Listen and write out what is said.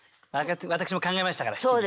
私も考えましたから七輪。